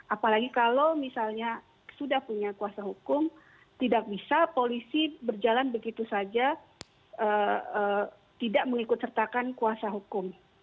apalagi kalau misalnya sudah punya kuasa hukum tidak bisa polisi berjalan begitu saja tidak mengikut sertakan kuasa hukum